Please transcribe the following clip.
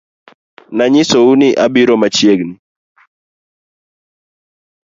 Nanyisou ni abiro machiegni